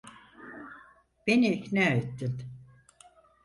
Beni ikna ettin.